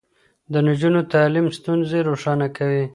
د نجونو تعليم ستونزې روښانه کوي.